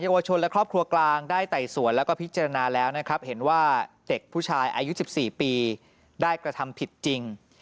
ว่าเด็กผู้ชายอายุ๑๔ปีได้กระทำผิดจริง